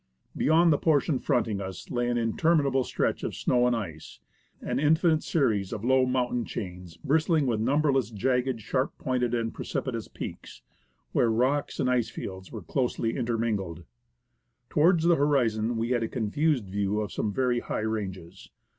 Beyond the portion front ing us lay an interminable stretch of snow and ice, an infinite series of low mountain chains bristling with numberless jagged, sharp pointed and precipitous peaks, where rocks and ice fields were closely inter mingled. Towards the horizon we had a confused view of some very high ranges.